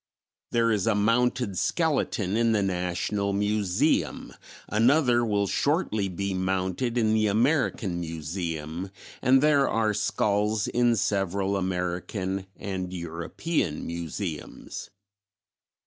There is a mounted skeleton in the National Museum, another will shortly be mounted in the American Museum, and there are skulls in several American and European museums.